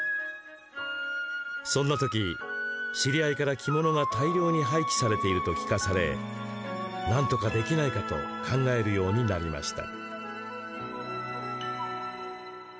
そんな時、知り合いから着物が大量に廃棄されていると聞かされなんとかできないかと考えるようになりました。